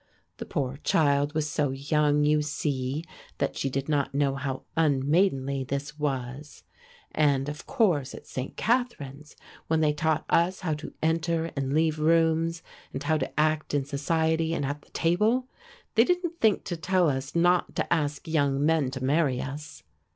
The poor child was so young, you see, that she did not know how unmaidenly this was. And of course at St. Catharine's when they taught us how to enter and leave rooms and how to act in society and at the table, they didn't think to tell us not to ask young men to marry us.